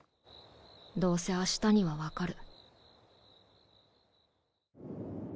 どうせ明日には分かる。